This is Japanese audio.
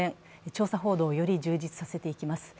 調査報道をより充実させていきます。